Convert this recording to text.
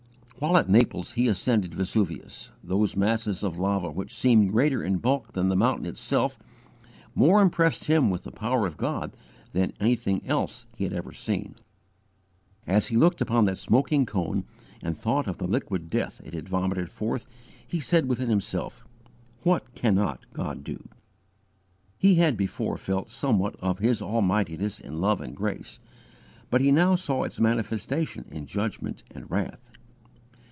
While at Naples he ascended Vesuvius. Those masses of lava, which seemed greater in bulk than the mountain itself, more impressed him with the power of God than anything else he had ever seen. As he looked upon that smoking cone, and thought of the liquid death it had vomited forth, he said within himself, "What cannot God do!" He had before felt somewhat of His Almightiness in love and grace, but he now saw its manifestation in judgment and wrath.